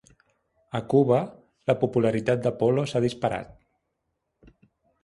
A Cuba, la popularitat de Polo s'ha disparat.